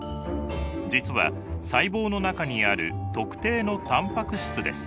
実は細胞の中にある特定のタンパク質です。